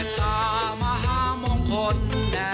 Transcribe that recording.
สวัสดีค่ะ